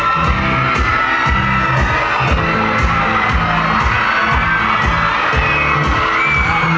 ไม่ต้องถามไม่ต้องถาม